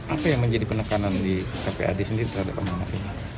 apa yang menjadi penekanan di kpad sendiri terhadap anak ini